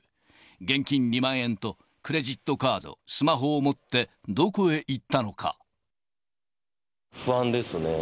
現金２万円とクレジットカード、スマホを持って、どこへ行ったの不安ですね。